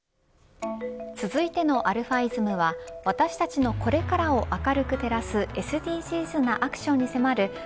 続いてのαｉｓｍは私たちのこれからを明るく照らすＳＤＧｓなアクションに迫る＃